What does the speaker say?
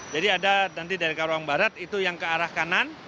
jadi ada nanti dari karawang barat itu yang ke arah kanan